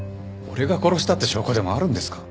俺が殺したって証拠でもあるんですか？